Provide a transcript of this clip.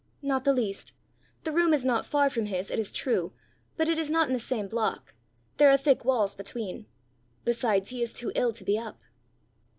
"Not the least. The room is not far from his, it is true, but it is not in the same block; there are thick walls between. Besides he is too ill to be up."